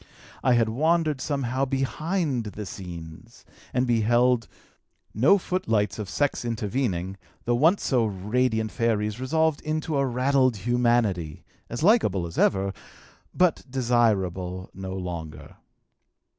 I had wandered somehow behind the scenes, and beheld, no footlights of sex intervening, the once so radiant fairies resolved into a raddled humanity, as likable as ever, but desirable no longer.